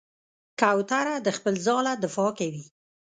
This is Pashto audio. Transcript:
کوتره د خپل ځاله دفاع کوي.